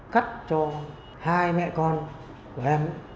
cắt cho hai mẹ con của em